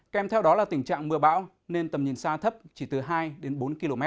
kem theo đó là tình trạng mưa bão nên tầm nhìn xa thấp chỉ từ hai đến bốn km